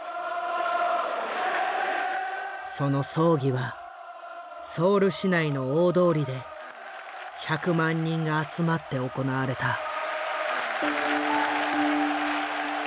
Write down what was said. その葬儀はソウル市内の大通りで１００万人が集まって行われた。